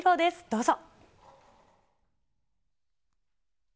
どうぞ。